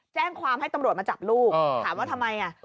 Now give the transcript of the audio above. แจ้งความให้ตำรวจมาจับลูกถามว่าทำไมอ่ะ